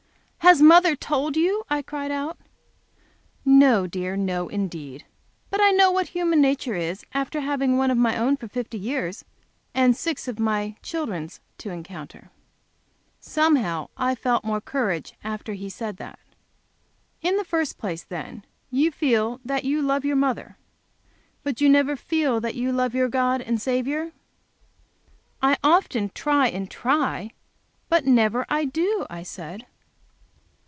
"Has mother told you?" I cried out. "No, dear, no indeed. But I know what human nature is after having one of my own fifty years, and six of my children's to encounter." Somehow I felt more courage after he said that. "In the first place, then, you feel that you love your mother? But you never feel that you love your God and Saviour?" "I often try, and try, but I never do," I said.